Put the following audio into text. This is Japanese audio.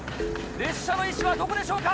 列車の位置はどこでしょうか？